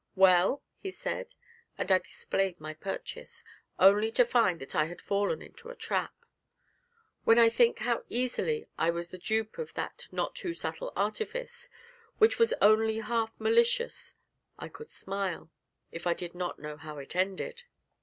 'Well?' he said, and I displayed my purchase, only to find that I had fallen into a trap. When I think how easily I was the dupe of that not too subtle artifice, which was only half malicious, I could smile, if I did not know how it ended.